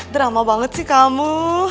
drama banget sih kamu